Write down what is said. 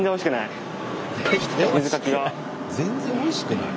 全然おいしくない。